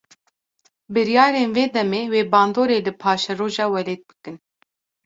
Biryarên vê demê, wê bandorê li paşeroja welêt bikin